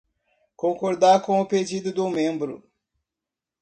Concordar com o pedido do membro